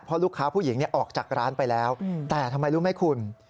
เพราะลูกค้าผู้หญิงออกจากร้านไปแล้วแต่ทำไมรู้ไหมคุณ